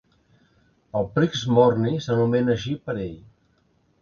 El Prix Morny s'anomena així per ell.